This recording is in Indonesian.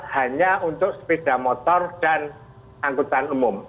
hanya untuk sepeda motor dan angkutan umum